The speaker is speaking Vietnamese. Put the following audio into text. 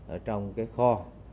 ở trong cái kho